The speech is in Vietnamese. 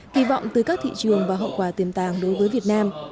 kỳ vọng từ các thị trường và hậu quả tiềm tàng đối với việt nam